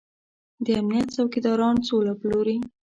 د امنيت څوکيداران سوله پلوري.